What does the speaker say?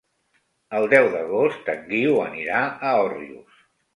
El deu d'agost en Guiu anirà a Òrrius.